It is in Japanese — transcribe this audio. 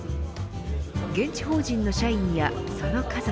現地法人の社員やその家族